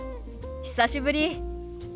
久しぶり。